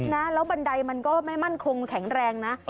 นะแล้วบันไดมันก็ไม่มั่นคงแข็งแรงนะ